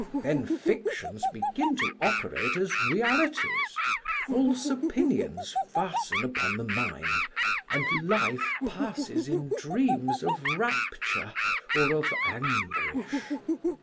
Then fictions begin to operate as realities, false opinions fasten upon the mind, and life passes in dreams of rapture or of anguish.